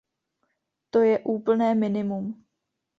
To je úplné minimum.